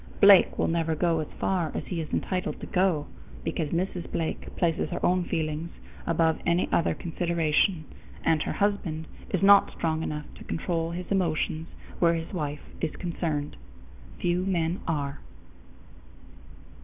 Blake will never go as far as he is entitled to go, because Mrs. Blake places her own feelings above any other consideration, and her husband is not strong enough to control his emotions where his wife is concerned. Few men are.